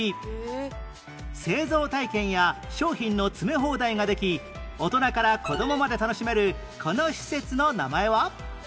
製造体験や商品の詰め放題ができ大人から子供まで楽しめるこの施設の名前は？